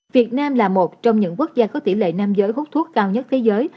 việt nam là một trong những quốc gia có tỷ lệ nam giới hút thuốc cao nhất thế giới